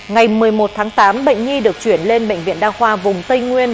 ngày một mươi một tháng tám bệnh nhi được chuyển lên bệnh viện đa khoa vùng tây nguyên